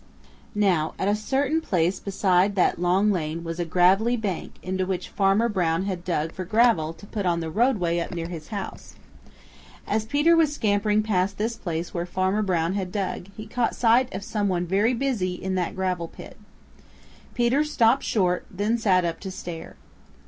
Now at a certain place beside that long lane was a gravelly bank into which Farmer Brown had dug for gravel to put on the roadway up near his house. As Peter was scampering past this place where Farmer Brown had dug he caught sight of some one very busy in that gravel pit. Peter stopped short, then sat up to stare.